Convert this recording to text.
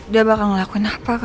dia bakal ngelakuin apa ke gue